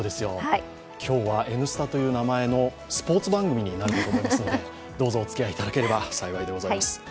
今日は「Ｎスタ」という名前のスポーツ番組になると思いますので、どうぞお付き合いいただければ幸いでございます。